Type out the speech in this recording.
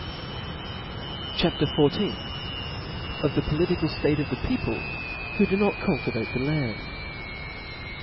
CHAP. XIV. Of the political State of the People who do not cultivate the Land.